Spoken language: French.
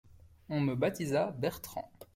On me baptisa Bertrand.